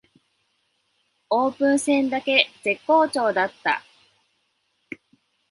オープン戦だけ絶好調だった